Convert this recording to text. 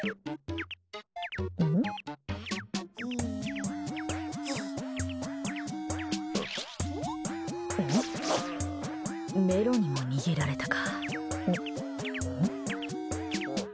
ん？メロにも逃げられたか。